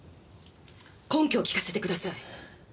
根拠を聞かせてください。